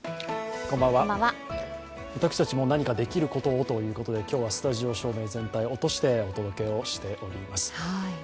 私たちも何かできることをということで、今日はスタジオ照明全体を落としてお届けしております。